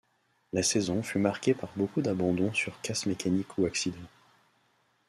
La saison fut marquée par beaucoup d'abandons sur casse mécanique ou accident.